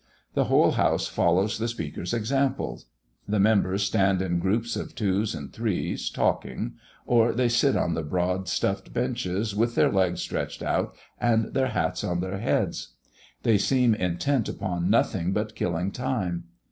The whole house follows the Speaker's example; the members stand in groups of twos and threes, talking, or they sit on the broad, stuffed benches, with their legs stretched out and their hats on their heads. They seem intent upon nothing but killing time.